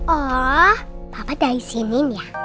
oh papa udah izinin ya